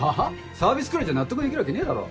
サービスくらいじゃ納得できるわけねえだろ。